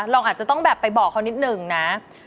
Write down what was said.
อาจจะต้องแบบไปบอกเขานิดหนึ่งนะ